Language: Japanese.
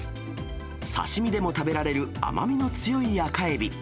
刺身でも食べられる、甘みの強い赤エビ。